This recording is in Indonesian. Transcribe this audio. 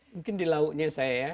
mungkin di lauknya saya ya